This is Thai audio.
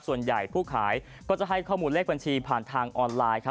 ส่วนใหญ่ผู้ขายก็จะให้ข้อมูลเลขบัญชีผ่านทางออนไลน์